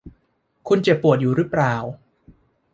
คุณเจ็บปวดอยู่รึเปล่า ?